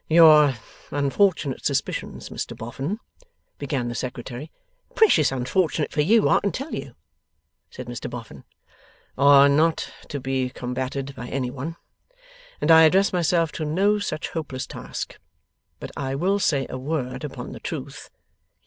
'Your unfortunate suspicions, Mr Boffin ' began the Secretary. 'Precious unfortunate for you, I can tell you,' said Mr Boffin. ' are not to be combated by any one, and I address myself to no such hopeless task. But I will say a word upon the truth.